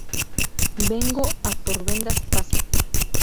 vengo a por vendas. pasa.